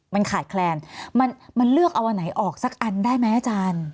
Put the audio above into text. มันขาดแคลนมันเลือกเอาอันไหนออกสักอันได้ไหมอาจารย์